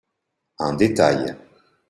Un détail.